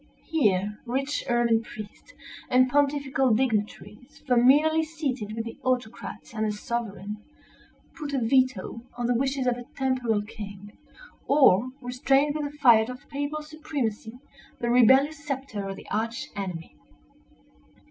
Here, rich ermined priests, and pontifical dignitaries, familiarly seated with the autocrat and the sovereign, put a veto on the wishes of a temporal king, or restrained with the fiat of papal supremacy the rebellious sceptre of the Arch enemy.